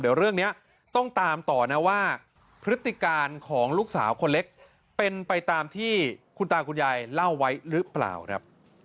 เดี๋ยวเรื่องนี้ต้องตามต่อนะว่าพฤติการของลูกสาวคนเล็กเป็นไปตามที่คุณตาคุณยายเล่าไว้หรือเปล่าครับ